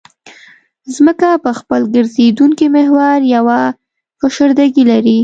ځمکه په خپل ګرځېدونکي محور یوه فشردګي لري